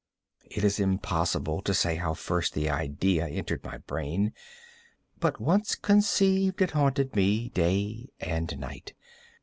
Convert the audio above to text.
It is impossible to say how first the idea entered my brain; but once conceived, it haunted me day and night.